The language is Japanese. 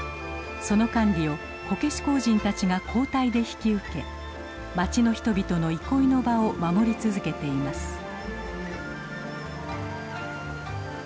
その管理をこけし工人たちが交代で引き受け町の人々の憩いの場を守り続けています。